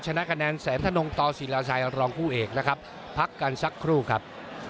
ชนะคะแนนแสนธนงต่อศิลาชัยรองคู่เอกนะครับพักกันสักครู่ครับ